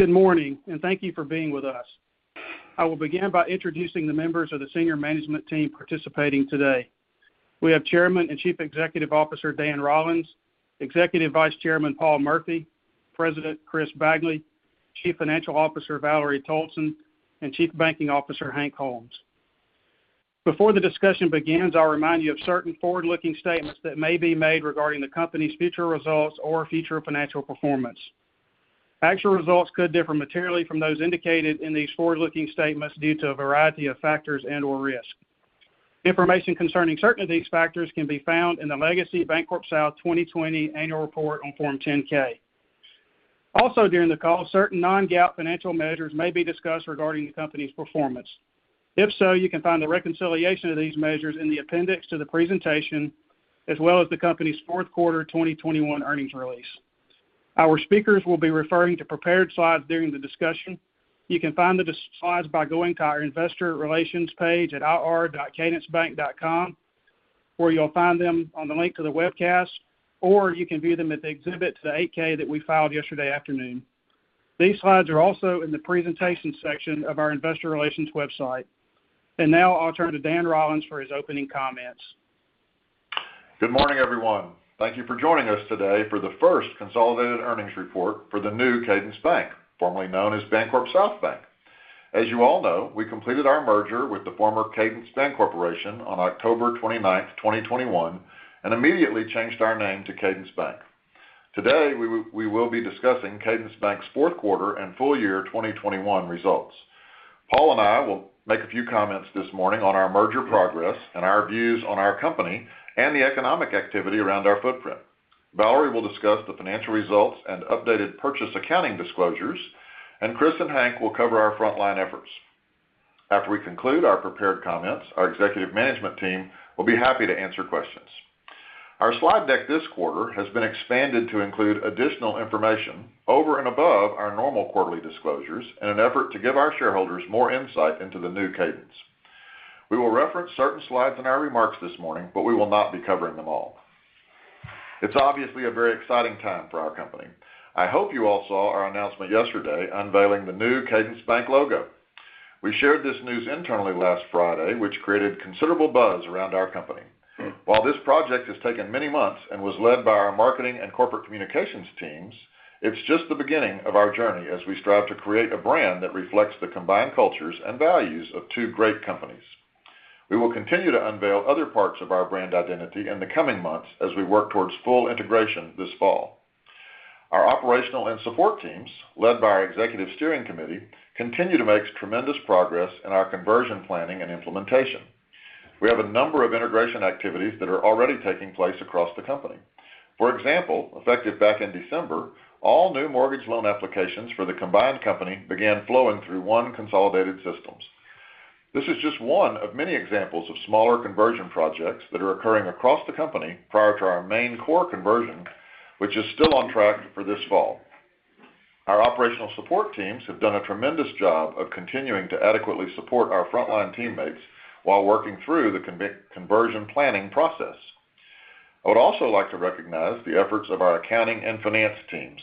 Good morning, and thank you for being with us. I will begin by introducing the members of the senior management team participating today. We have Chairman and Chief Executive Officer Dan Rollins, Executive Vice Chairman Paul Murphy, President Chris Bagley, Chief Financial Officer Valerie Toalson, and Chief Banking Officer Hank Holmes. Before the discussion begins, I'll remind you of certain forward-looking statements that may be made regarding the company's future results or future financial performance. Actual results could differ materially from those indicated in these forward-looking statements due to a variety of factors and/or risk. Information concerning certain of these factors can be found in the legacy BancorpSouth 2020 Annual Report on Form 10-K. Also, during the call, certain non-GAAP financial measures may be discussed regarding the company's performance. If so, you can find the reconciliation of these measures in the appendix to the presentation, as well as the company's fourth quarter 2021 earnings release. Our speakers will be referring to prepared slides during the discussion. You can find the slides by going to our investor relations page at ir.cadencebank.com, or you'll find them on the link to the webcast, or you can view them at the exhibit to the 8-K that we filed yesterday afternoon. These slides are also in the presentation section of our investor relations website. Now I'll turn to Dan Rollins for his opening comments. Good morning, everyone. Thank you for joining us today for the first consolidated earnings report for the new Cadence Bank, formerly known as BancorpSouth Bank. As you all know, we completed our merger with the former Cadence Bancorporation on October 29, 2021, and immediately changed our name to Cadence Bank. Today, we will be discussing Cadence Bank's fourth quarter and full year 2021 results. Paul and I will make a few comments this morning on our merger progress and our views on our company and the economic activity around our footprint. Valerie will discuss the financial results and updated purchase accounting disclosures, and Chris and Hank will cover our frontline efforts. After we conclude our prepared comments, our executive management team will be happy to answer questions. Our slide deck this quarter has been expanded to include additional information over and above our normal quarterly disclosures in an effort to give our shareholders more insight into the new Cadence. We will reference certain slides in our remarks this morning, but we will not be covering them all. It's obviously a very exciting time for our company. I hope you all saw our announcement yesterday unveiling the new Cadence Bank logo. We shared this news internally last Friday, which created considerable buzz around our company. While this project has taken many months and was led by our marketing and corporate communications teams, it's just the beginning of our journey as we strive to create a brand that reflects the combined cultures and values of two great companies. We will continue to unveil other parts of our brand identity in the coming months as we work towards full integration this fall. Our operational and support teams, led by our executive steering committee, continue to make tremendous progress in our conversion planning and implementation. We have a number of integration activities that are already taking place across the company. For example, effective back in December, all new mortgage loan applications for the combined company began flowing through one consolidated systems. This is just one of many examples of smaller conversion projects that are occurring across the company prior to our main core conversion, which is still on track for this fall. Our operational support teams have done a tremendous job of continuing to adequately support our frontline teammates while working through the conversion planning process. I would also like to recognize the efforts of our accounting and finance teams.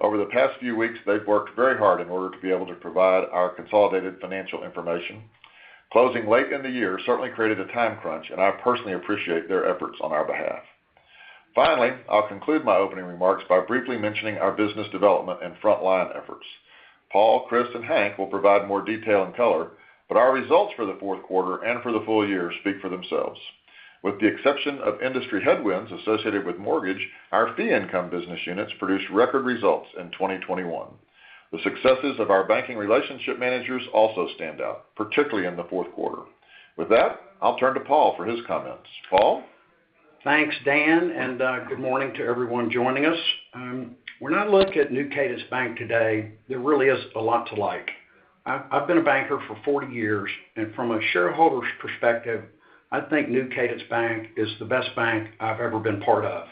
Over the past few weeks, they've worked very hard in order to be able to provide our consolidated financial information. Closing late in the year certainly created a time crunch, and I personally appreciate their efforts on our behalf. Finally, I'll conclude my opening remarks by briefly mentioning our business development and frontline efforts. Paul, Chris, and Hank will provide more detail and color, but our results for the fourth quarter and for the full year speak for themselves. With the exception of industry headwinds associated with mortgage, our fee income business units produced record results in 2021. The successes of our banking relationship managers also stand out, particularly in the fourth quarter. With that, I'll turn to Paul for his comments. Paul? Thanks, Dan, and good morning to everyone joining us. When I look at new Cadence Bank today, there really is a lot to like. I've been a banker for 40 years, and from a shareholder's perspective, I think new Cadence Bank is the best bank I've ever been part of.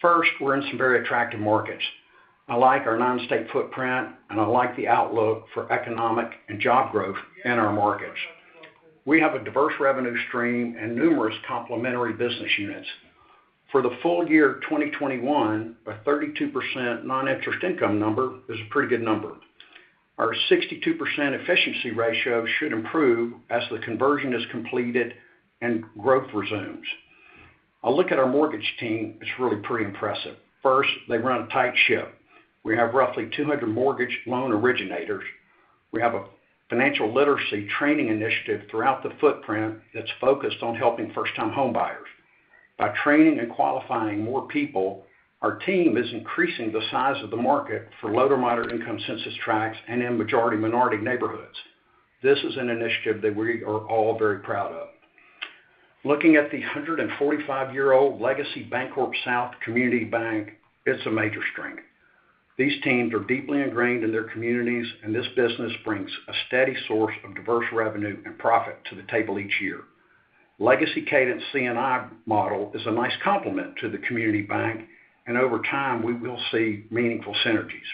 First, we're in some very attractive markets. I like our nine-state footprint, and I like the outlook for economic and job growth in our markets. We have a diverse revenue stream and numerous complementary business units. For the full year 2021, a 32% non-interest income number is a pretty good number. Our 62% efficiency ratio should improve as the conversion is completed and growth resumes. A look at our mortgage team is really pretty impressive. First, they run a tight ship. We have roughly 200 mortgage loan originators. We have a financial literacy training initiative throughout the footprint that's focused on helping first-time homebuyers. By training and qualifying more people, our team is increasing the size of the market for low to moderate income census tracts and in majority minority neighborhoods. This is an initiative that we are all very proud of. Looking at the 145-year-old legacy BancorpSouth Community Bank, it's a major strength. These teams are deeply ingrained in their communities, and this business brings a steady source of diverse revenue and profit to the table each year. Legacy Cadence C&I model is a nice complement to the community bank, and over time, we will see meaningful synergies.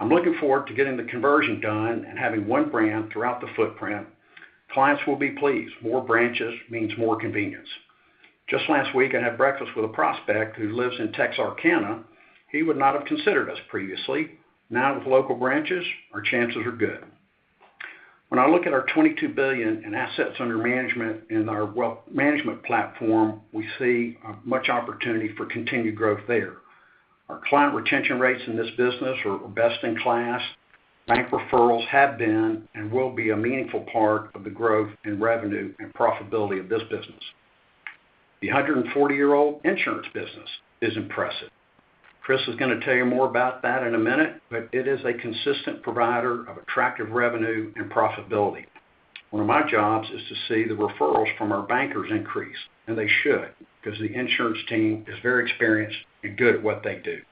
I'm looking forward to getting the conversion done and having one brand throughout the footprint. Clients will be pleased. More branches means more convenience. Just last week, I had breakfast with a prospect who lives in Texarkana. He would not have considered us previously. Now, with local branches, our chances are good. When I look at our $22 billion in assets under management in our wealth management platform, we see much opportunity for continued growth there. Our client retention rates in this business are best in class. Bank referrals have been and will be a meaningful part of the growth in revenue and profitability of this business. The 140-year-old insurance business is impressive. Chris is gonna tell you more about that in a minute, but it is a consistent provider of attractive revenue and profitability. One of my jobs is to see the referrals from our bankers increase, and they should, 'cause the insurance team is very experienced and good at what they do.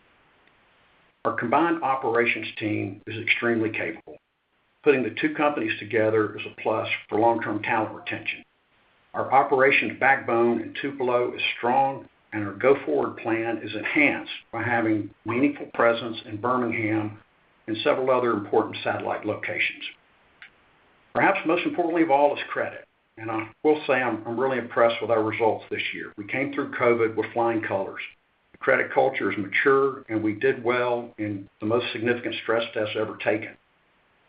Our combined operations team is extremely capable. Putting the two companies together is a plus for long-term talent retention. Our operations backbone in Tupelo is strong, and our go-forward plan is enhanced by having meaningful presence in Birmingham and several other important satellite locations. Perhaps most importantly of all is credit, and I will say I'm really impressed with our results this year. We came through COVID with flying colors. The credit culture is mature, and we did well in the most significant stress test ever taken.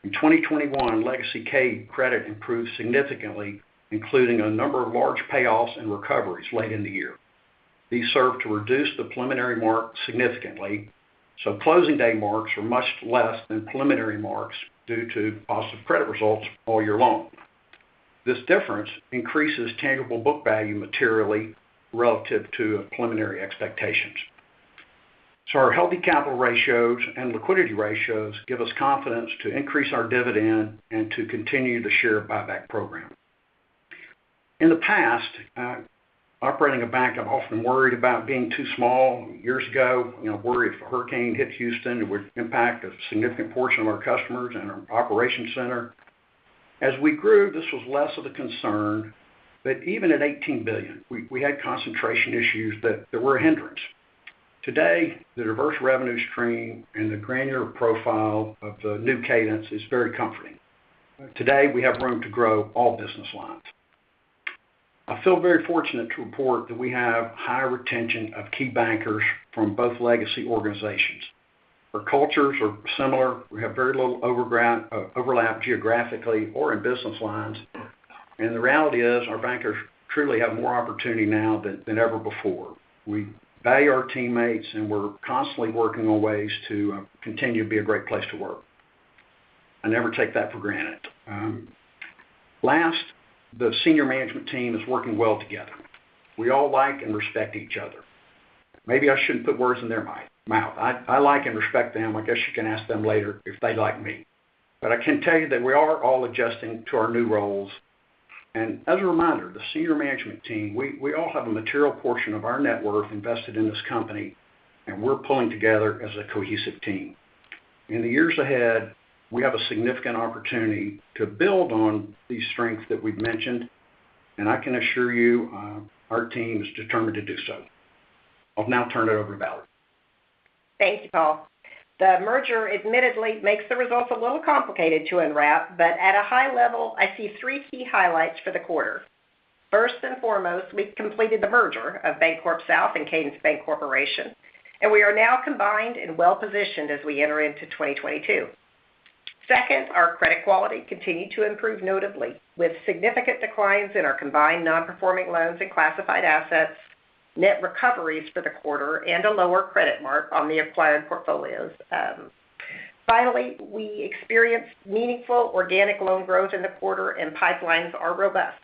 In 2021, Legacy Cadence credit improved significantly, including a number of large payoffs and recoveries late in the year. These served to reduce the preliminary mark significantly, so closing day marks were much less than preliminary marks due to positive credit results all year long. This difference increases tangible book value materially relative to preliminary expectations. Our healthy capital ratios and liquidity ratios give us confidence to increase our dividend and to continue the share buyback program. In the past, operating a bank, I've often worried about being too small. Years ago, you know, worried if a hurricane hit Houston, it would impact a significant portion of our customers and our operations center. As we grew, this was less of a concern. Even at $18 billion, we had concentration issues that were a hindrance. Today, the diverse revenue stream and the granular profile of the new Cadence is very comforting. Today, we have room to grow all business lines. I feel very fortunate to report that we have high retention of key bankers from both legacy organizations. Our cultures are similar. We have very little overlap geographically or in business lines. The reality is, our bankers truly have more opportunity now than ever before. We value our teammates, and we're constantly working on ways to continue to be a great place to work. I never take that for granted. Last, the senior management team is working well together. We all like and respect each other. Maybe I shouldn't put words in their mouth. I like and respect them. I guess you can ask them later if they like me. I can tell you that we are all adjusting to our new roles. As a reminder, the senior management team, we all have a material portion of our net worth invested in this company, and we're pulling together as a cohesive team. In the years ahead, we have a significant opportunity to build on these strengths that we've mentioned, and I can assure you, our team is determined to do so. I'll now turn it over to Valerie. Thank you, Paul. The merger admittedly makes the results a little complicated to unwrap, but at a high level, I see three key highlights for the quarter. First and foremost, we've completed the merger of BancorpSouth and Cadence Bancorporation, and we are now combined and well-positioned as we enter into 2022. Second, our credit quality continued to improve notably with significant declines in our combined non-performing loans and classified assets, net recoveries for the quarter, and a lower credit mark on the acquired portfolios. Finally, we experienced meaningful organic loan growth in the quarter and pipelines are robust.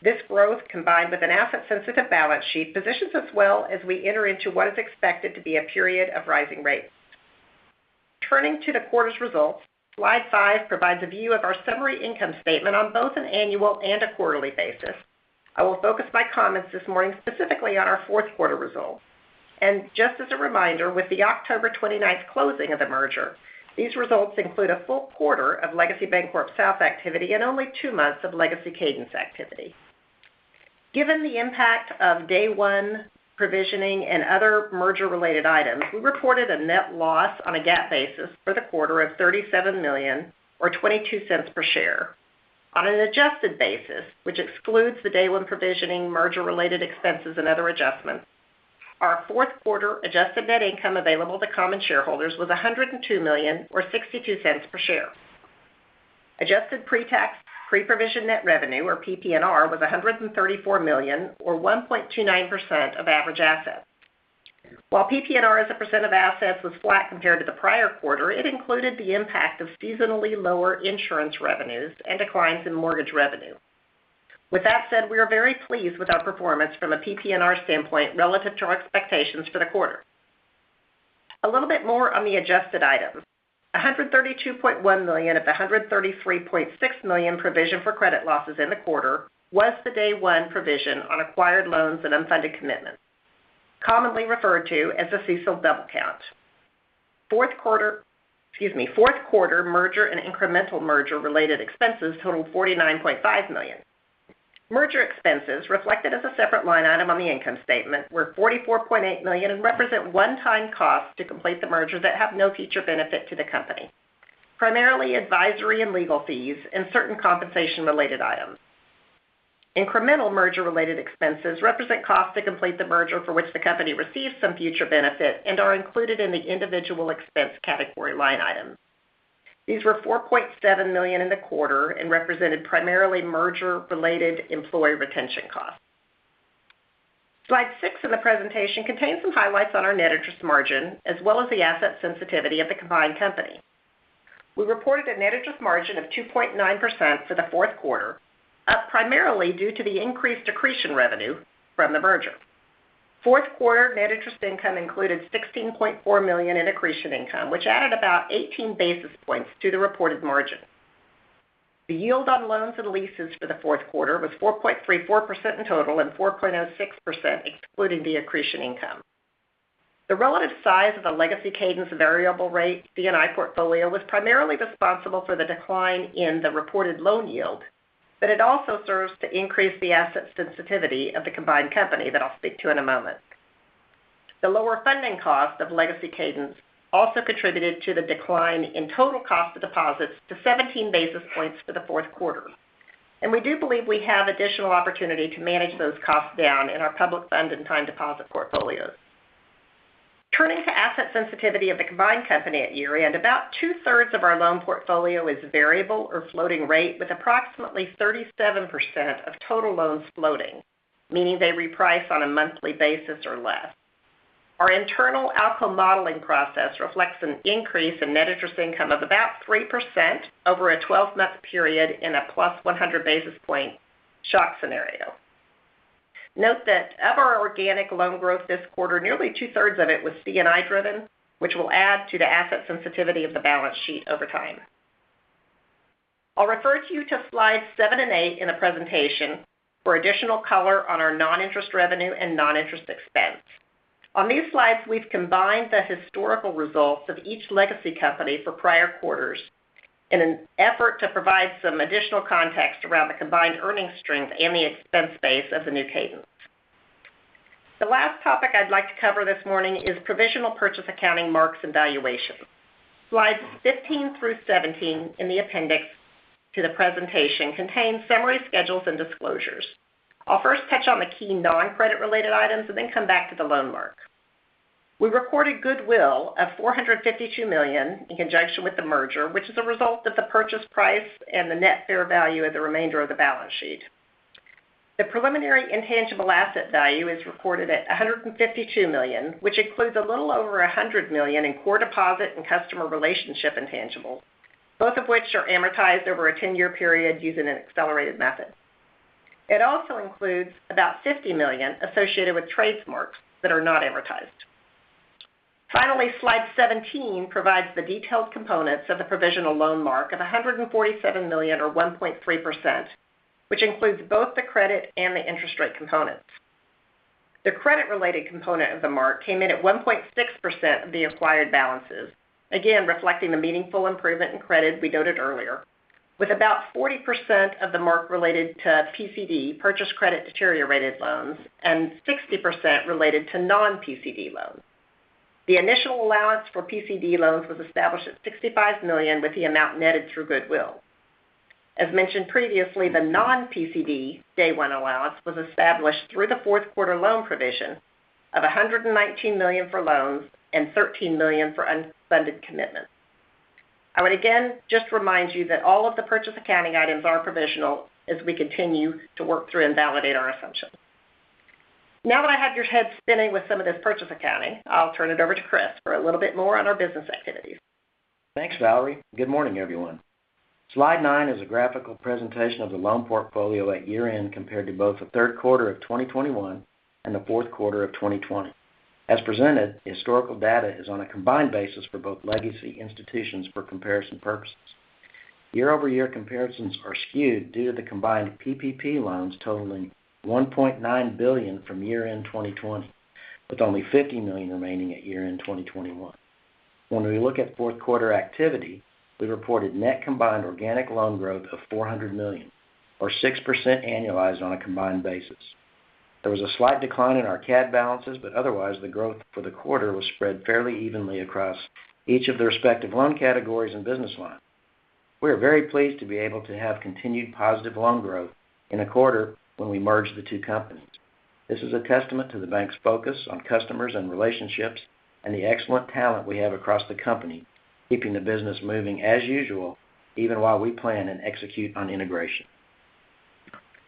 This growth, combined with an asset-sensitive balance sheet, positions us well as we enter into what is expected to be a period of rising rates. Turning to the quarter's results, slide five provides a view of our summary income statement on both an annual and a quarterly basis. I will focus my comments this morning specifically on our fourth quarter results. Just as a reminder, with the October 29th closing of the merger, these results include a full quarter of Legacy BancorpSouth activity and only two months of Legacy Cadence activity. Given the impact of day one provisioning and other merger-related items, we reported a net loss on a GAAP basis for the quarter of $37 million or $0.22 per share. On an adjusted basis, which excludes the day one provisioning, merger-related expenses, and other adjustments, our fourth quarter adjusted net income available to common shareholders was $102 million or $0.62 per share. Adjusted pre-tax, pre-provision net revenue, or PPNR, was $134 million or 1.29% of average assets. While PPNR as a percent of assets was flat compared to the prior quarter, it included the impact of seasonally lower insurance revenues and declines in mortgage revenue. With that said, we are very pleased with our performance from a PPNR standpoint relative to our expectations for the quarter. A little bit more on the adjusted items. $132.1 million of the $133.6 million provision for credit losses in the quarter was the day one provision on acquired loans and unfunded commitments, commonly referred to as the CECL double count. Fourth quarter merger and incremental merger-related expenses totaled $49.5 million. Merger expenses reflected as a separate line item on the income statement were $44.8 million and represent one-time costs to complete the merger that have no future benefit to the company. Primarily advisory and legal fees and certain compensation-related items. Incremental merger-related expenses represent costs to complete the merger for which the company receives some future benefit and are included in the individual expense category line item. These were $4.7 million in the quarter and represented primarily merger-related employee retention costs. Slide six of the presentation contains some highlights on our net interest margin, as well as the asset sensitivity of the combined company. We reported a net interest margin of 2.9% for the fourth quarter, up primarily due to the increased accretion revenue from the merger. Fourth quarter net interest income included $16.4 million in accretion income, which added about 18 basis points to the reported margin. The yield on loans and leases for the fourth quarter was 4.34% in total and 4.06% excluding the accretion income. The relative size of the Legacy Cadence variable rate C&I portfolio was primarily responsible for the decline in the reported loan yield, but it also serves to increase the asset sensitivity of the combined company that I'll speak to in a moment. The lower funding cost of Legacy Cadence also contributed to the decline in total cost of deposits to 17 basis points for the fourth quarter. We do believe we have additional opportunity to manage those costs down in our public fund and time deposit portfolios. Turning to asset sensitivity of the combined company at year-end, about 2/3 of our loan portfolio is variable or floating rate, with approximately 37% of total loans floating, meaning they reprice on a monthly basis or less. Our internal ALCO modeling process reflects an increase in net interest income of about 3% over a 12-month period in a +100 basis point shock scenario. Note that of our organic loan growth this quarter, nearly 2/3 of it was C&I driven, which will add to the asset sensitivity of the balance sheet over time. I'll refer to you to slides seven and eight in the presentation for additional color on our non-interest revenue and non-interest expense. On these slides, we've combined the historical results of each legacy company for prior quarters in an effort to provide some additional context around the combined earnings strength and the expense base of the new Cadence. The last topic I'd like to cover this morning is provisional purchase accounting marks and valuations. Slides 15 through 17 in the appendix to the presentation contain summary schedules and disclosures. I'll first touch on the key non-credit related items and then come back to the loan mark. We recorded goodwill of $452 million in conjunction with the merger, which is a result of the purchase price and the net fair value of the remainder of the balance sheet. The preliminary intangible asset value is recorded at $152 million, which includes a little over $100 million in core deposit and customer relationship intangibles, both of which are amortized over a 10-year period using an accelerated method. It also includes about $50 million associated with trademarks that are not amortized. Finally, slide 17 provides the detailed components of the provisional loan mark of $147 million or 1.3%, which includes both the credit and the interest rate components. The credit-related component of the mark came in at 1.6% of the acquired balances, again reflecting the meaningful improvement in credit we noted earlier, with about 40% of the mark related to PCD, purchased credit deteriorated loans, and 60% related to non-PCD loans. The initial allowance for PCD loans was established at $65 million, with the amount netted through goodwill. As mentioned previously, the non-PCD day one allowance was established through the fourth quarter loan provision of $119 million for loans and $13 million for unfunded commitments. I would again just remind you that all of the purchase accounting items are provisional as we continue to work through and validate our assumptions. Now that I have your head spinning with some of this purchase accounting, I'll turn it over to Chris for a little bit more on our business activities. Thanks, Valerie. Good morning, everyone. Slide nine is a graphical presentation of the loan portfolio at year-end compared to both the third quarter of 2021 and the fourth quarter of 2020. As presented, the historical data is on a combined basis for both legacy institutions for comparison purposes. Year-over-year comparisons are skewed due to the combined PPP loans totaling $1.9 billion from year-end 2020, with only $50 million remaining at year-end 2021. When we look at fourth quarter activity, we reported net combined organic loan growth of $400 million or 6% annualized on a combined basis. There was a slight decline in our C&D balances, but otherwise the growth for the quarter was spread fairly evenly across each of the respective loan categories and business lines. We are very pleased to be able to have continued positive loan growth in a quarter when we merged the two companies. This is a testament to the bank's focus on customers and relationships and the excellent talent we have across the company, keeping the business moving as usual even while we plan and execute on integration.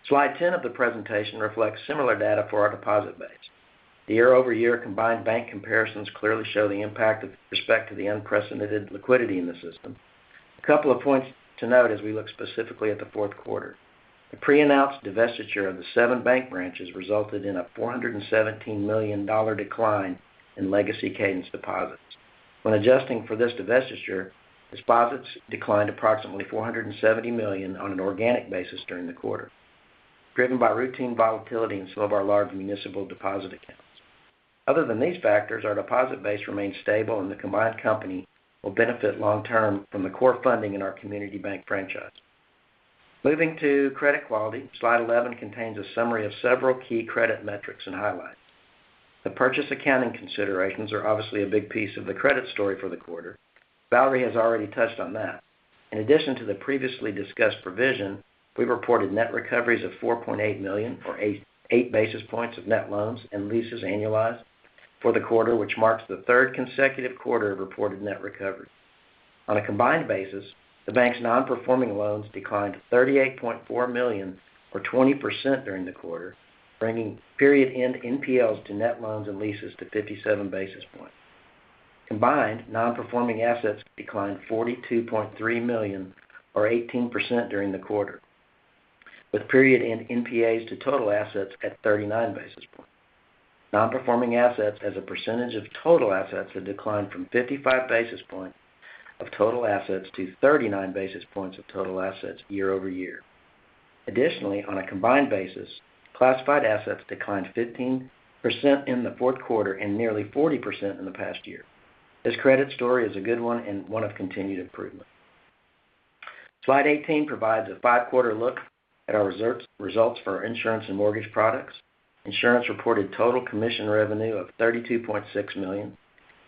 Slide 10 of the presentation reflects similar data for our deposit base. The year-over-year combined bank comparisons clearly show the impact with respect to the unprecedented liquidity in the system. A couple of points to note as we look specifically at the fourth quarter. The pre-announced divestiture of the seven bank branches resulted in a $417 million decline in Legacy Cadence deposits. When adjusting for this divestiture, deposits declined approximately $470 million on an organic basis during the quarter, driven by routine volatility in some of our large municipal deposit accounts. Other than these factors, our deposit base remains stable, and the combined company will benefit long term from the core funding in our community bank franchise. Moving to credit quality. Slide 11 contains a summary of several key credit metrics and highlights. The purchase accounting considerations are obviously a big piece of the credit story for the quarter. Valerie has already touched on that. In addition to the previously discussed provision, we reported net recoveries of $4.8 million, or 88 basis points of net loans and leases annualized for the quarter, which marks the third consecutive quarter of reported net recovery. On a combined basis, the bank's non-performing loans declined to $38.4 million, or 20% during the quarter, bringing period end NPLs to net loans and leases to 57 basis points. Combined non-performing assets declined $42.3 million or 18% during the quarter, with period end NPAs to total assets at 39 basis points. Non-performing assets as a percentage of total assets have declined from 55 basis points of total assets to 39 basis points of total assets year-over-year. Additionally, on a combined basis, classified assets declined 15% in the fourth quarter and nearly 40% in the past year. This credit story is a good one and one of continued improvement. Slide 18 provides a five-quarter look at our reserves, results for our insurance and mortgage products. Insurance reported total commission revenue of $32.6 million.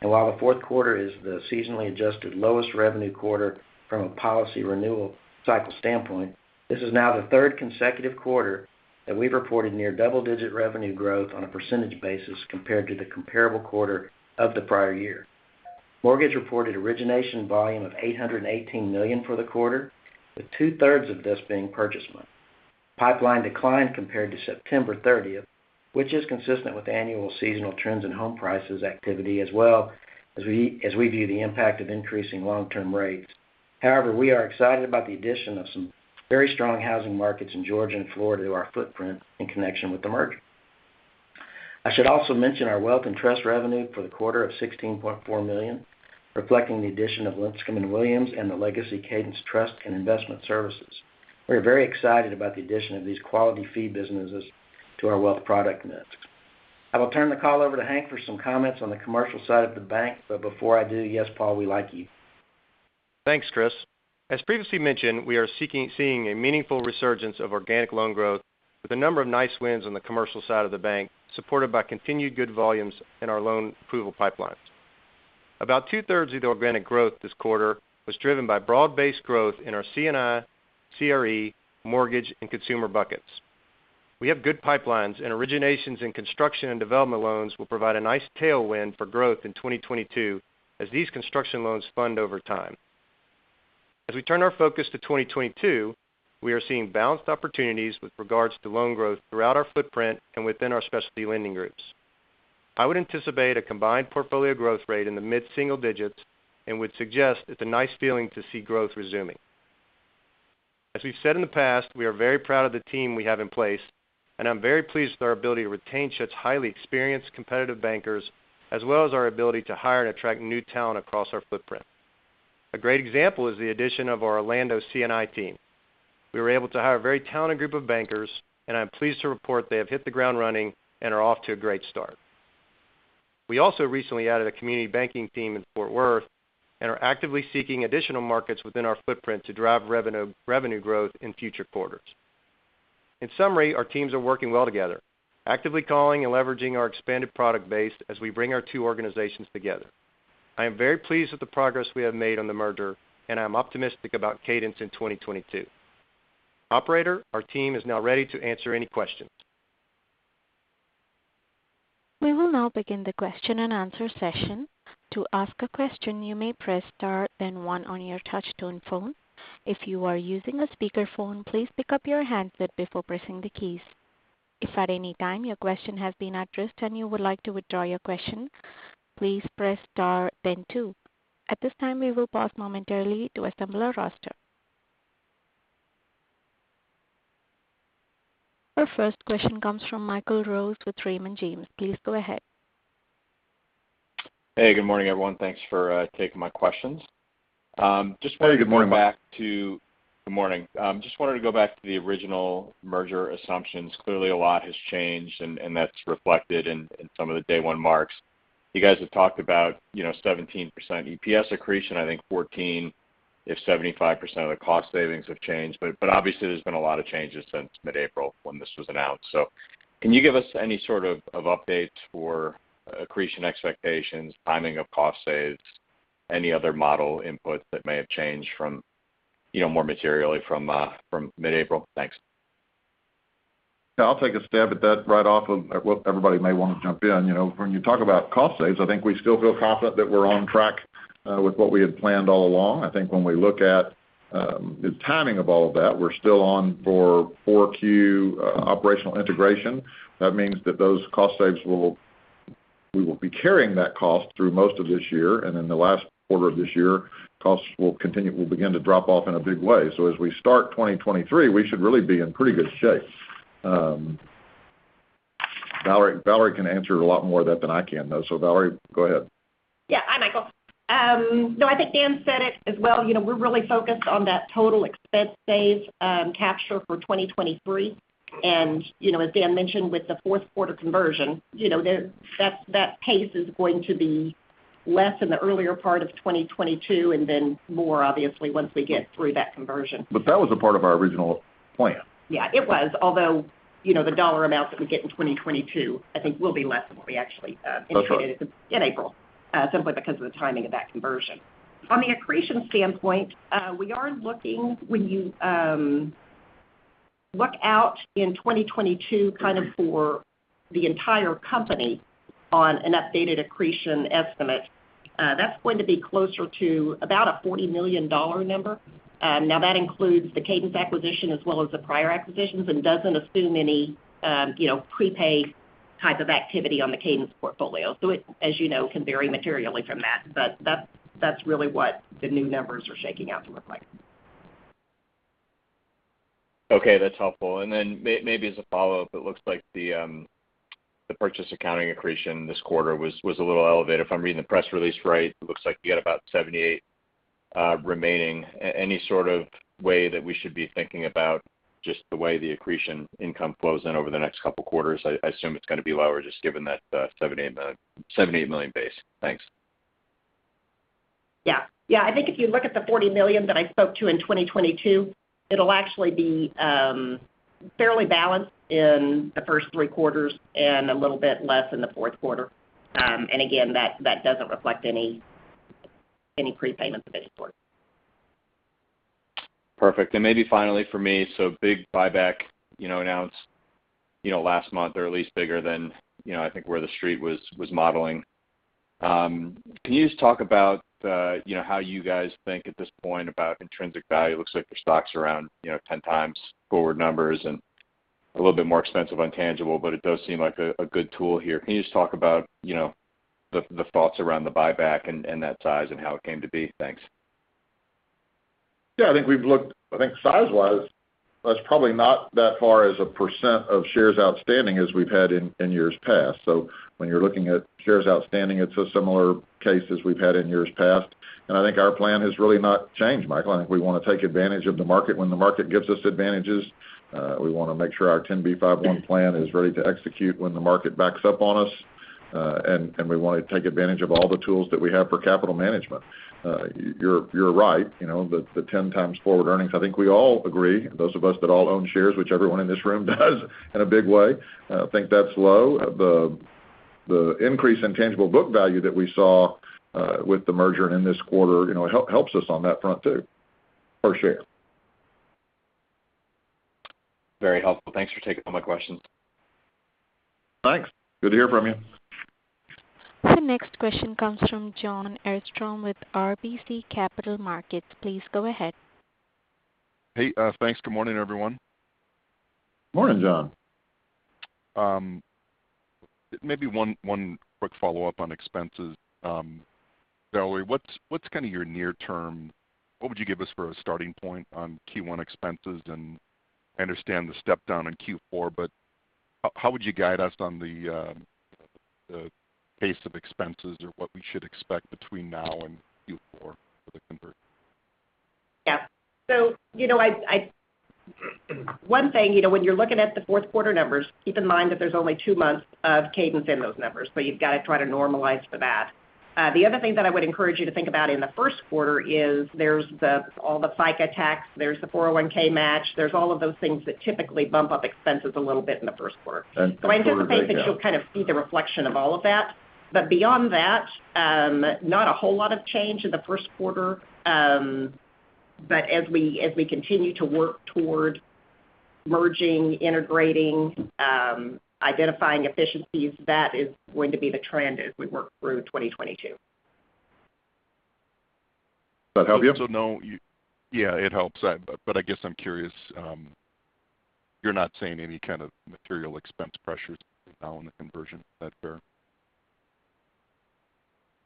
While the fourth quarter is the seasonally adjusted lowest revenue quarter from a policy renewal cycle standpoint, this is now the third consecutive quarter that we've reported near double-digit revenue growth on a percentage basis compared to the comparable quarter of the prior year. Mortgage reported origination volume of $818 million for the quarter, with 2/3 of this being purchase money. Pipeline declined compared to September 30th, which is consistent with annual seasonal trends in home purchase activity, as well as we view the impact of increasing long-term rates. However, we are excited about the addition of some very strong housing markets in Georgia and Florida to our footprint in connection with the merger. I should also mention our wealth and trust revenue for the quarter of $16.4 million, reflecting the addition of Linscomb & Williams and the Legacy Cadence Trust and Investment Services. We are very excited about the addition of these quality fee businesses to our wealth product mix. I will turn the call over to Hank for some comments on the commercial side of the bank. Before I do, yes, Paul, we like you. Thanks, Chris. As previously mentioned, we are seeing a meaningful resurgence of organic loan growth with a number of nice wins on the commercial side of the bank, supported by continued good volumes in our loan approval pipelines. About 2/3 of the organic growth this quarter was driven by broad-based growth in our C&I, CRE, mortgage, and consumer buckets. We have good pipelines and originations in construction and development loans will provide a nice tailwind for growth in 2022 as these construction loans fund over time. As we turn our focus to 2022, we are seeing balanced opportunities with regards to loan growth throughout our footprint and within our specialty lending groups. I would anticipate a combined portfolio growth rate in the mid-single digits and would suggest it's a nice feeling to see growth resuming. As we've said in the past, we are very proud of the team we have in place, and I'm very pleased with our ability to retain such highly experienced competitive bankers, as well as our ability to hire and attract new talent across our footprint. A great example is the addition of our Orlando C&I team. We were able to hire a very talented group of bankers, and I'm pleased to report they have hit the ground running and are off to a great start. We also recently added a community banking team in Fort Worth and are actively seeking additional markets within our footprint to drive revenue growth in future quarters. In summary, our teams are working well together, actively calling and leveraging our expanded product base as we bring our two organizations together. I am very pleased with the progress we have made on the merger, and I'm optimistic about Cadence in 2022. Operator, our team is now ready to answer any questions. We will now begin the question-and-answer session. To ask a question, you may press star then one on your touchtone phone. If you are using a speakerphone, please pick up your handset before pressing the keys. If at any time your question has been addressed and you would like to withdraw your question, please press star then two. At this time, we will pause momentarily to assemble our roster. Our first question comes from Michael Rose with Raymond James. Please go ahead. Hey, good morning, everyone. Thanks for taking my questions. Just- Hey, good morning, Michael. Good morning. Just wanted to go back to the original merger assumptions. Clearly, a lot has changed and that's reflected in some of the day one marks. You guys have talked about, you know, 17% EPS accretion, I think 14 if 75% of the cost savings have changed. But obviously, there's been a lot of changes since mid-April when this was announced. So can you give us any sort of updates for accretion expectations, timing of cost saves, any other model inputs that may have changed from, you know, more materially from mid-April? Thanks. Yeah, I'll take a stab at that. Well, everybody may want to jump in. You know, when you talk about cost saves, I think we still feel confident that we're on track with what we had planned all along. I think when we look at the timing of all of that, we're still on for 4Q operational integration. That means that those cost saves, we will be carrying that cost through most of this year, and in the last quarter of this year, costs will begin to drop off in a big way. As we start 2023, we should really be in pretty good shape. Valerie can answer a lot more of that than I can, though. Valerie, go ahead. Yeah. Hi, Michael. No, I think Dan said it as well. You know, we're really focused on that total expense savings capture for 2023. You know, as Dan mentioned, with the fourth quarter conversion, you know, that pace is going to be Less in the earlier part of 2022 and then more obviously once we get through that conversion. That was a part of our original plan. Yeah, it was. Although, you know, the dollar amounts that we get in 2022, I think will be less than what we actually, That's right. Not anticipated in April simply because of the timing of that conversion. From the accretion standpoint, we are looking when you look out in 2022 kind of for the entire company on an updated accretion estimate, that's going to be closer to about a $40 million number. Now that includes the Cadence acquisition as well as the prior acquisitions and doesn't assume any, you know, prepaid type of activity on the Cadence portfolio. So it, as you know, can vary materially from that. That's really what the new numbers are shaking out to look like. Okay, that's helpful. As a follow-up, it looks like the purchase accounting accretion this quarter was a little elevated. If I'm reading the press release right, it looks like you had about $78 million remaining. Any sort of way that we should be thinking about just the way the accretion income flows in over the next couple quarters? I assume it's going to be lower just given that $78 million base. Thanks. Yeah. I think if you look at the $40 million that I spoke to in 2022, it'll actually be fairly balanced in the first three quarters and a little bit less in the fourth quarter. Again, that doesn't reflect any prepayments of any sort. Perfect. Maybe finally for me, big buyback, you know, announced, you know, last month, or at least bigger than, you know, I think where the street was modeling. Can you just talk about, you know, how you guys think at this point about intrinsic value? It looks like your stock's around, you know, 10x forward numbers and a little bit more expensive on tangible, but it does seem like a good tool here. Can you just talk about, you know, the thoughts around the buyback and that size and how it came to be? Thanks. Yeah, I think size-wise, that's probably not that far as a percen of shares outstanding as we've had in years past. When you're looking at shares outstanding, it's a similar case as we've had in years past. I think our plan has really not changed, Michael. I think we want to take advantage of the market when the market gives us advantages. We want to make sure our 10b5-1 plan is ready to execute when the market backs up on us. We want to take advantage of all the tools that we have for capital management. You're right, you know, the 10x forward earnings. I think we all agree, those of us that all own shares, which everyone in this room does in a big way, think that's low. The increase in tangible book value that we saw with the merger and in this quarter, you know, helps us on that front too, per share. Very helpful. Thanks for taking all my questions. Thanks. Good to hear from you. The next question comes from Jon Arfstrom with RBC Capital Markets. Please go ahead. Hey, thanks. Good morning, everyone. Morning, Jon. Maybe one quick follow-up on expenses. Valerie, what would you give us for a starting point on Q1 expenses? I understand the step down in Q4, but how would you guide us on the pace of expenses or what we should expect between now and Q4 for the conversion? Yeah. You know, one thing, you know, when you're looking at the fourth quarter numbers, keep in mind that there's only two months of Cadence in those numbers. You've got to try to normalize for that. The other thing that I would encourage you to think about in the first quarter is there's all the FICA tax, there's the 401(k) match. There's all of those things that typically bump up expenses a little bit in the first quarter. That's true, yeah. I anticipate that you'll kind of see the reflection of all of that. Beyond that, not a whole lot of change in the first quarter. As we continue to work toward merging, integrating, identifying efficiencies, that is going to be the trend as we work through 2022. Does that help you? No, yeah, it helps. I guess I'm curious, you're not seeing any kind of material expense pressures now in the conversion, is that fair?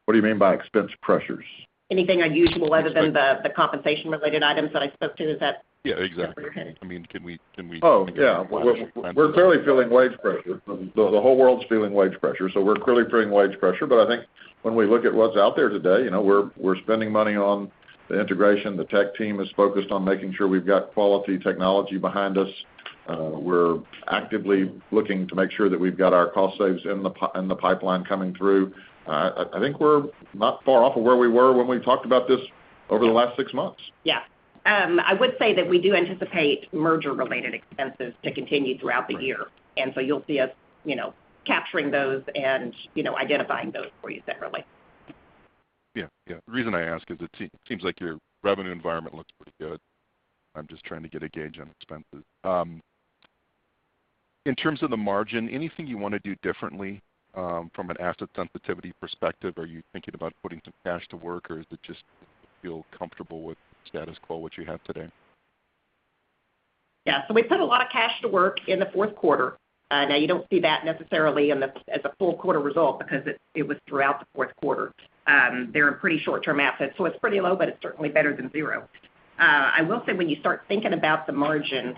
What do you mean by expense pressures? Anything unusual other than the compensation related items that I spoke to. Is that- Yeah, exactly. Is that what you're getting at? I mean, can we? Oh, yeah. We're clearly feeling wage pressure. The whole world's feeling wage pressure, so we're clearly feeling wage pressure. I think when we look at what's out there today, you know, we're spending money on the integration. The tech team is focused on making sure we've got quality technology behind us. We're actively looking to make sure that we've got our cost saves in the pipeline coming through. I think we're not far off of where we were when we talked about this over the last six months. Yeah. I would say that we do anticipate merger related expenses to continue throughout the year. You'll see us, you know, capturing those and, you know, identifying those for you separately. Yeah. Yeah. The reason I ask is, it seems like your revenue environment looks pretty good. I'm just trying to get a gauge on expenses. In terms of the margin, anything you want to do differently from an asset sensitivity perspective? Are you thinking about putting some cash to work, or do you just feel comfortable with status quo, what you have today? We put a lot of cash to work in the fourth quarter. Now you don't see that necessarily in, as a full quarter result because it was throughout the fourth quarter. They're a pretty short-term asset, so it's pretty low, but it's certainly better than zero. I will say when you start thinking about the margin,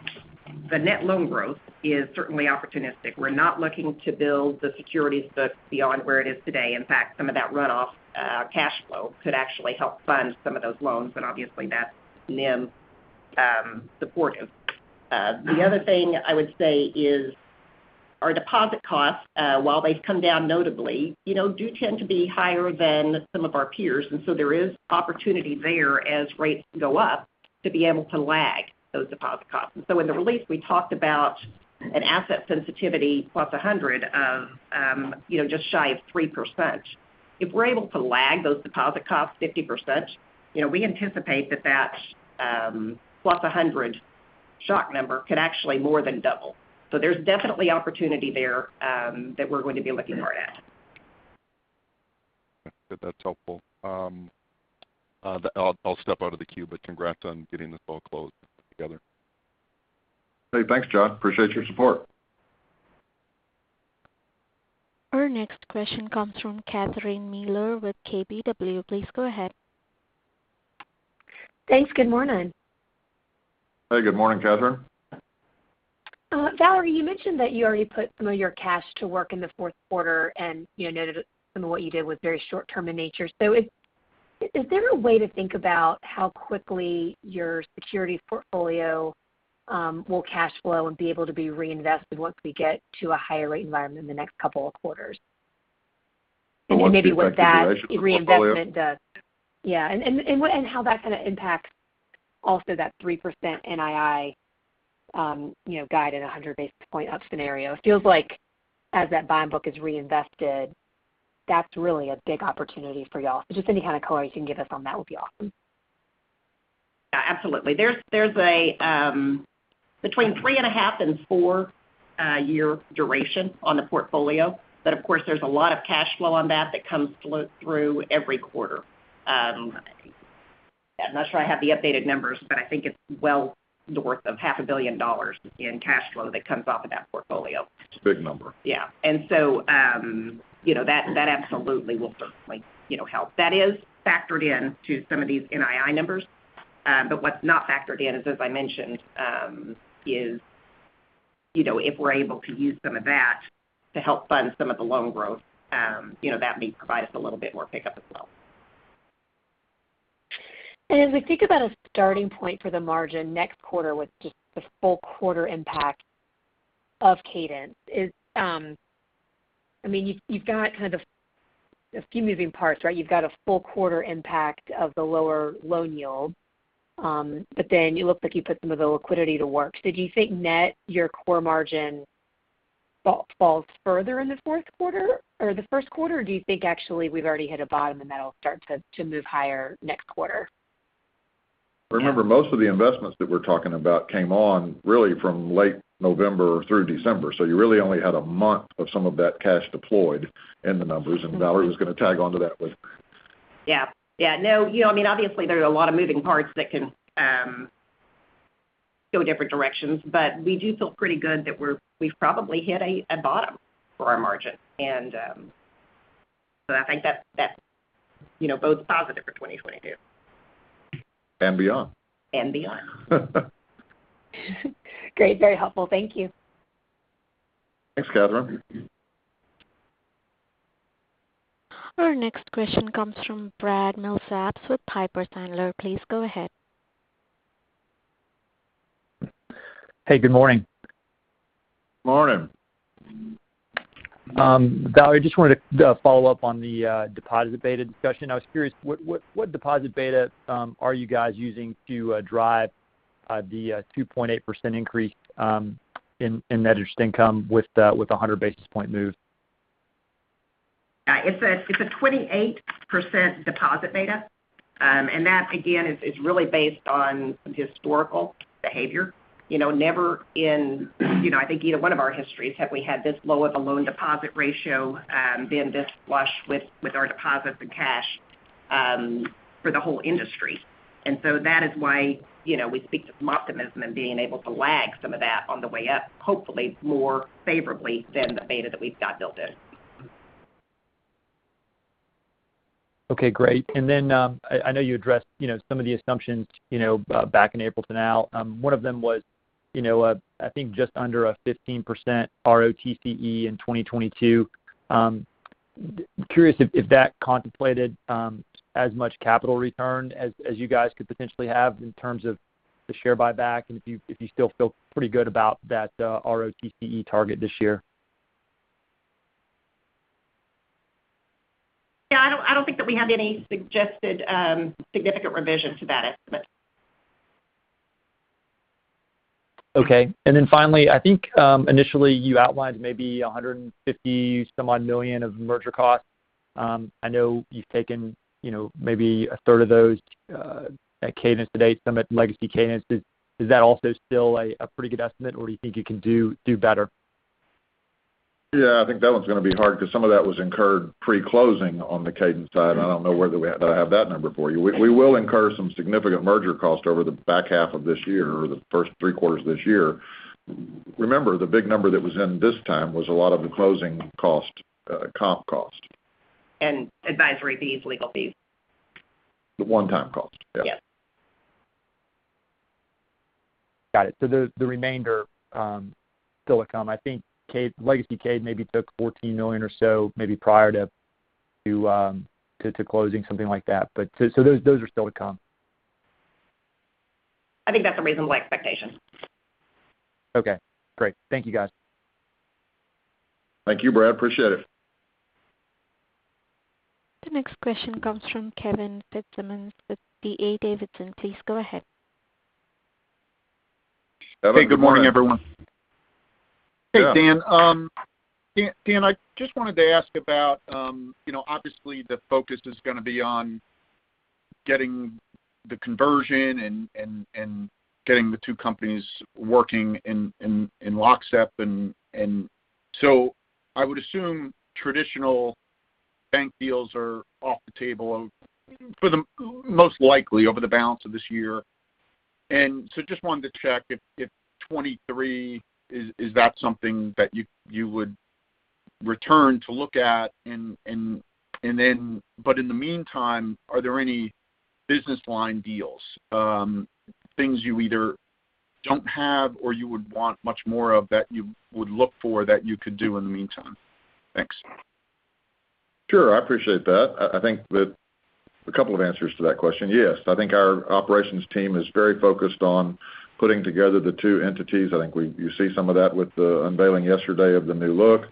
the net loan growth is certainly opportunistic. We're not looking to build the securities book beyond where it is today. In fact, some of that runoff cash flow could actually help fund some of those loans, and obviously that's NIM supportive. The other thing I would say is our deposit costs, while they've come down notably, you know, do tend to be higher than some of our peers. There is opportunity there as rates go up to be able to lag those deposit costs. In the release, we talked about an asset sensitivity +100 of, you know, just shy of 3%. If we're able to lag those deposit costs 50%, you know, we anticipate that +100 shock number can actually more than double. There's definitely opportunity there that we're going to be looking hard at. That's helpful. I'll step out of the queue, but congrats on getting this all closed together. Hey, thanks, Jon. I appreciate your support. Our next question comes from Catherine Mealor with KBW. Please go ahead. Thanks. Good morning. Hey, good morning, Catherine. Valerie, you mentioned that you already put some of your cash to work in the fourth quarter and, you know, noted some of what you did was very short-term in nature. Is there a way to think about how quickly your securities portfolio will cash flow and be able to be reinvested once we get to a higher rate environment in the next couple of quarters? You want me to speak back to the duration of the portfolio? Maybe what that reinvestment does. Yeah. What and how that's going to impact also that 3% NII, you know, guide at a 100 basis point up scenario. It feels like as that bond book is reinvested, that's really a big opportunity for y'all. Just any kind of color you can give us on that would be awesome. Yeah, absolutely. There's a between three and half and four year duration on the portfolio. Of course, there's a lot of cash flow on that comes through every quarter. I'm not sure I have the updated numbers, but I think it's well north of $500 million in cash flow that comes off of that portfolio. It's a big number. Yeah, you know, that absolutely will certainly, you know, help. That is factored into some of these NII numbers. What's not factored in is, as I mentioned, you know, if we're able to use some of that to help fund some of the loan growth, you know, that may provide us a little bit more pickup as well. As we think about a starting point for the margin next quarter with just the full quarter impact of Cadence is, I mean, you've got kind of a few moving parts, right? You've got a full quarter impact of the lower loan yield. You look like you put some of the liquidity to work. Do you think net your core margin falls further in the fourth quarter or the first quarter? Or do you think actually we've already hit a bottom and that'll start to move higher next quarter? Remember, most of the investments that we're talking about came on really from late November through December. You really only had a month of some of that cash deployed in the numbers. Mm-hmm. Valerie was going to tag onto that with- Yeah. No, you know, I mean, obviously there are a lot of moving parts that can go different directions. We do feel pretty good that we've probably hit a bottom for our margin. I think that's you know bodes positive for 2022. Beyond. Beyond. Great. Very helpful. Thank you. Thanks, Catherine. Our next question comes from Brad Milsaps with Piper Sandler. Please go ahead. Hey, good morning. Morning. Valerie, I just wanted to follow up on the deposit beta discussion. I was curious what deposit beta are you guys using to drive the 2.8% increase in net interest income with the 100 basis point move? It's a 28% deposit beta. And that again is really based on historical behavior. You know, never in, you know, I think either one of our histories have we had this low of a loan deposit ratio, been this flush with our deposits and cash for the whole industry. That is why, you know, we speak with some optimism and being able to lag some of that on the way up, hopefully more favorably than the beta that we've got built in. Okay, great. I know you addressed, you know, some of the assumptions, you know, back in April to now. One of them was, you know, I think just under a 15% ROTCE in 2022. Curious if that contemplated as much capital return as you guys could potentially have in terms of the share buyback, and if you still feel pretty good about that ROTCE target this year. Yeah, I don't think that we have any suggested significant revision to that estimate. Okay. Then finally, I think initially you outlined maybe $150-some-odd million of merger costs. I know you've taken, you know, maybe a third of those at Cadence to date, some at Legacy Cadence. Is that also still a pretty good estimate, or do you think you can do better? Yeah, I think that one's gonna be hard because some of that was incurred pre-closing on the Cadence side. I don't know whether we have that number for you. We will incur some significant merger costs over the back half of this year or the first three quarters of this year. Remember, the big number that was in this time was a lot of the closing cost, comp cost. Advisory fees, legal fees. The one-time cost. Yeah. Yeah. Got it. The remainder still to come. I think Legacy Cadence maybe took $14 million or so maybe prior to closing something like that. Those are still to come? I think that's a reasonable expectation. Okay, great. Thank you, guys. Thank you, Brad. Appreciate it. The next question comes from Kevin Fitzsimmons with D.A. Davidson. Please go ahead. Kevin, go ahead. Hey, good morning, everyone. Yeah. Hey, Dan. I just wanted to ask about, you know, obviously, the focus is gonna be on getting the conversion and getting the two companies working in lockstep. I would assume traditional bank deals are off the table for the most likely over the balance of this year. Just wanted to check if 2023 is that something that you would return to look at and then, in the meantime, are there any business line deals, things you either don't have or you would want much more of that you would look for that you could do in the meantime? Thanks. Sure. I appreciate that. I think that a couple of answers to that question. Yes. I think our operations team is very focused on putting together the two entities. I think we, you see some of that with the unveiling yesterday of the new look.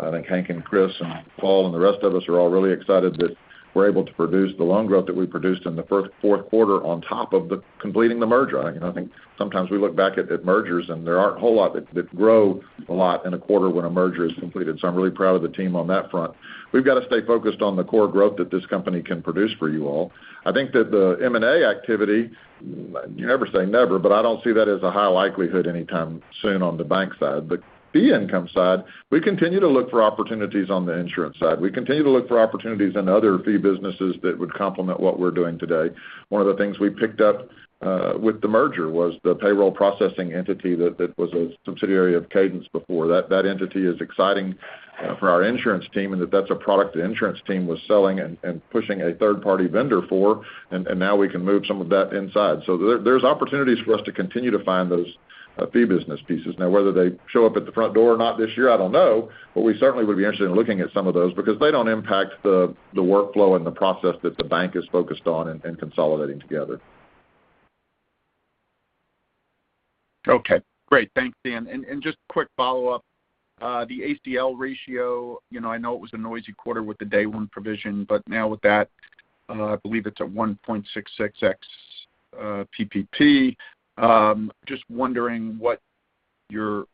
I think Hank and Chris and Paul and the rest of us are all really excited that we're able to produce the loan growth that we produced in the fourth quarter on top of completing the merger. I think sometimes we look back at mergers, and there aren't a whole lot that grow a lot in a quarter when a merger is completed. I'm really proud of the team on that front. We've got to stay focused on the core growth that this company can produce for you all. I think that the M&A activity, you never say never, but I don't see that as a high likelihood anytime soon on the bank side. The fee income side, we continue to look for opportunities on the insurance side. We continue to look for opportunities in other fee businesses that would complement what we're doing today. One of the things we picked up with the merger was the payroll processing entity that was a subsidiary of Cadence before. That entity is exciting for our insurance team, and that's a product the insurance team was selling and pushing a third-party vendor for, and now we can move some of that inside. There's opportunities for us to continue to find those fee business pieces. Now, whether they show up at the front door or not this year, I don't know. We certainly would be interested in looking at some of those because they don't impact the workflow and the process that the bank is focused on in consolidating together. Okay, great. Thanks, Dan. Just quick follow-up, the ACL ratio, you know, I know it was a noisy quarter with the day one provision, but now with that, I believe it's a 1.66x PPP. Just wondering what your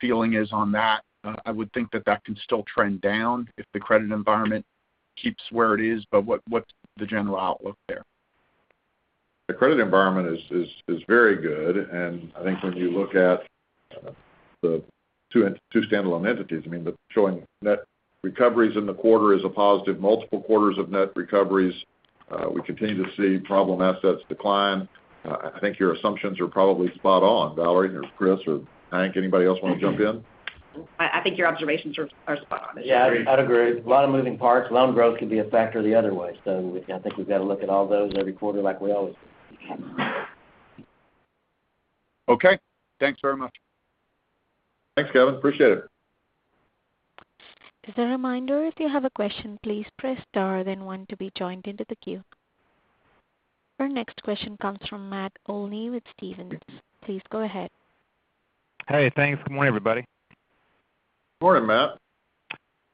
feeling is on that. I would think that can still trend down if the credit environment keeps where it is, but what's the general outlook there? The credit environment is very good. I think when you look at the two standalone entities, I mean, they're showing net recoveries in the quarter is a positive. Multiple quarters of net recoveries. We continue to see problem assets decline. I think your assumptions are probably spot on. Valerie or Chris or Hank, anybody else want to jump in? I think your observations are spot on. Yeah, I'd agree. A lot of moving parts. Loan growth could be a factor the other way. I think we've got to look at all those every quarter like we always do. Okay. Thanks very much. Thanks, Kevin. I appreciate it. As a reminder, if you have a question, please press star then one to be joined into the queue. Our next question comes from Matt Olney with Stephens. Please go ahead. Hey, thanks. Good morning, everybody. Morning, Matt.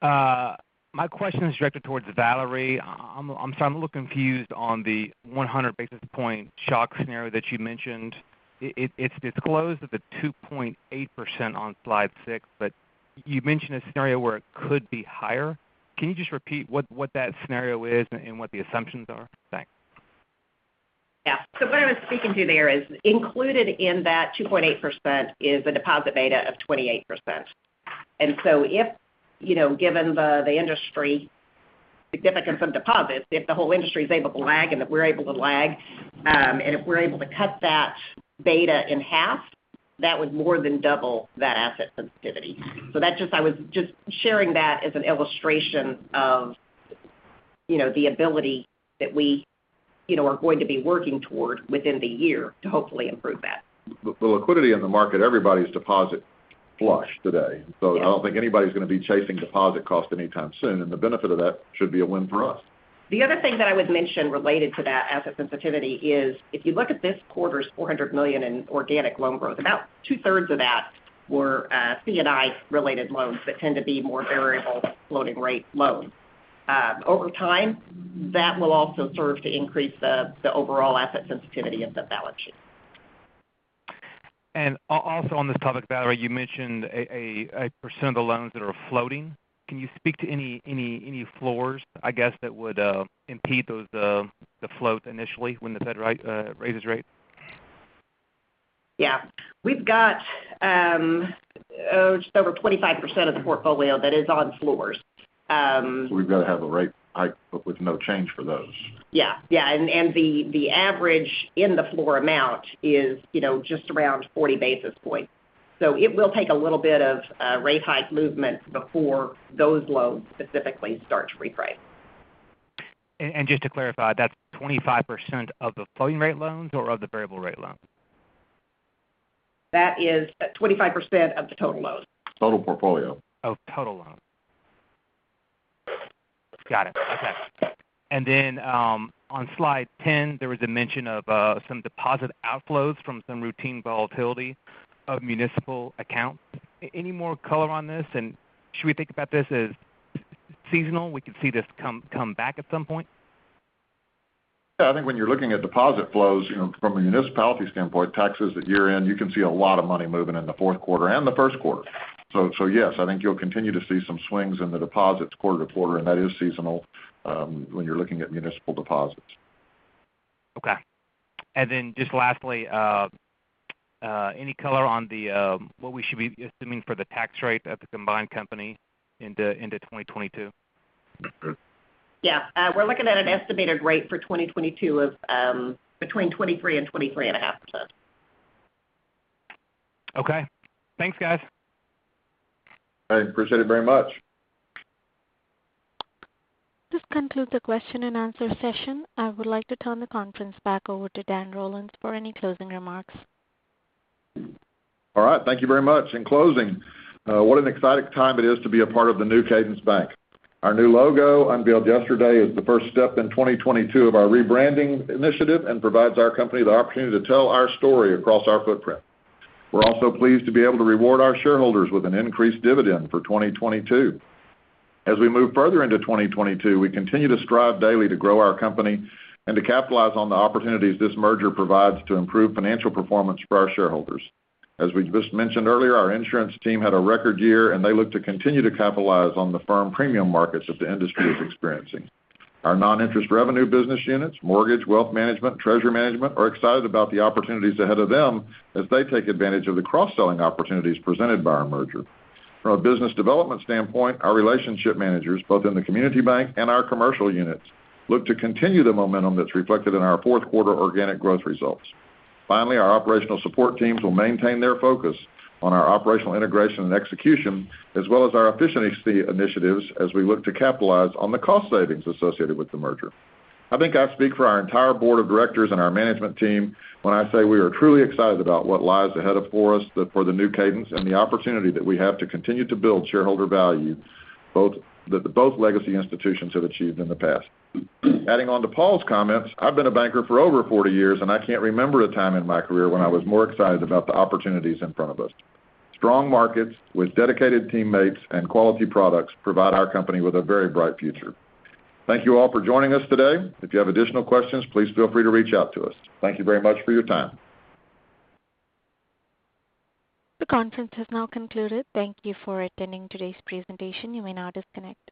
My question is directed towards Valerie. I'm a little confused on the 100 basis points shock scenario that you mentioned. It's disclosed at the 2.8% on slide six, but you mentioned a scenario where it could be higher. Can you just repeat what that scenario is and what the assumptions are? Thanks. Yeah. What I was speaking to there is included in that 2.8% is a deposit beta of 28%. If, you know, given the industry significance of deposits, if the whole industry is able to lag and if we're able to lag, and if we're able to cut that beta in half, that would more than double that asset sensitivity. That's just I was just sharing that as an illustration of, you know, the ability that we, you know, are going to be working toward within the year to hopefully improve that. The liquidity in the market, everybody's deposits flush today. Yes. I don't think anybody's gonna be chasing deposit cost anytime soon, and the benefit of that should be a win for us. The other thing that I would mention related to that asset sensitivity is if you look at this quarter's $400 million in organic loan growth, about 2/3 of that were C&I related loans that tend to be more variable floating rate loans. Over time, that will also serve to increase the overall asset sensitivity of the balance sheet. Also on this topic, Valerie, you mentioned a percent of the loans that are floating. Can you speak to any floors, I guess, that would impede the floating initially when the Fed raises rates? Yeah. We've got just over 25% of the portfolio that is on floors. We've got to have a rate hike, but with no change for those. Yeah, yeah. The average floor amount is, you know, just around 40 basis points. It will take a little bit of rate hike movement before those loans specifically start to reprice. Just to clarify, that's 25% of the floating rate loans or of the variable rate loans? That is 25% of the total loans. Total portfolio. Oh, total loans. Got it. Okay. On slide 10, there was a mention of some deposit outflows from some routine volatility of municipal accounts. Any more color on this, and should we think about this as seasonal? We could see this come back at some point? Yeah. I think when you're looking at deposit flows, you know, from a municipality standpoint, taxes that year-end, you can see a lot of money moving in the fourth quarter and the first quarter. Yes, I think you'll continue to see some swings in the deposits quarter to quarter, and that is seasonal, when you're looking at municipal deposits. Okay. Then just lastly, any color on what we should be assuming for the tax rate at the combined company into 2022? Yeah. We're looking at an estimated rate for 2022 of between 23% and 23.5%. Okay. Thanks, guys. I appreciate it very much. This concludes the question and answer session. I would like to turn the conference back over to Dan Rollins for any closing remarks. All right. Thank you very much. In closing, what an exciting time it is to be a part of the new Cadence Bank. Our new logo, unveiled yesterday, is the first step in 2022 of our rebranding initiative and provides our company the opportunity to tell our story across our footprint. We're also pleased to be able to reward our shareholders with an increased dividend for 2022. As we move further into 2022, we continue to strive daily to grow our company and to capitalize on the opportunities this merger provides to improve financial performance for our shareholders. As we just mentioned earlier, our insurance team had a record year, and they look to continue to capitalize on the firm premium markets that the industry is experiencing. Our non-interest revenue business units, mortgage, wealth management, treasury management, are excited about the opportunities ahead of them as they take advantage of the cross-selling opportunities presented by our merger. From a business development standpoint, our relationship managers, both in the community bank and our commercial units, look to continue the momentum that's reflected in our fourth quarter organic growth results. Finally, our operational support teams will maintain their focus on our operational integration and execution, as well as our efficiency initiatives as we look to capitalize on the cost savings associated with the merger. I think I speak for our entire board of directors and our management team when I say we are truly excited about what lies ahead for us, for the new Cadence and the opportunity that we have to continue to build shareholder value that both legacy institutions have achieved in the past. Adding on to Paul's comments, I've been a banker for over 40 years, and I can't remember a time in my career when I was more excited about the opportunities in front of us. Strong markets with dedicated teammates and quality products provide our company with a very bright future. Thank you all for joining us today. If you have additional questions, please feel free to reach out to us. Thank you very much for your time. The conference has now concluded. Thank you for attending today's presentation. You may now disconnect.